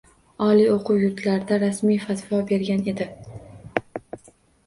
Oliy oʻquv yurtlarida rasmiy fatvo bergan edi.